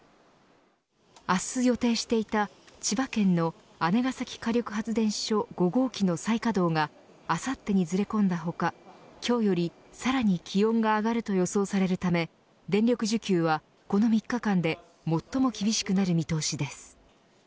明日予定していた千葉県の姉崎火力発電所５号機の再稼働があさってにずれ込んだ他今日よりさらに気温が上がると予想されるため電力需給はこの３日間で最も厳しくなる見通しです。